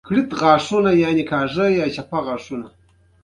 لمریز ځواک د افغانستان د هیوادوالو لپاره ویاړ دی.